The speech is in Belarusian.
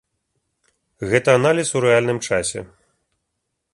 Гэта аналіз у рэальным часе.